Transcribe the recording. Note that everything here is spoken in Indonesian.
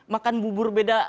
makan bubur beda